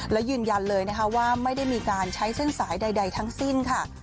และยืนยันเลยนะคะว่าไม่ได้มีการใช้เส้นสายใดทั้งสิ้นค่ะ